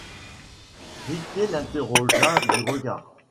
Riquet l'interrogea du regard.